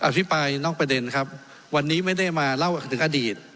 พิปรายนอกประเด็นครับวันนี้ไม่ได้มาเล่าถึงอดีต